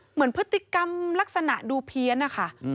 เหมือนพฤติกรรมลักษณะดูเพี้ยนนะคะ